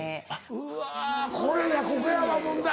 うわこれやここやわ問題。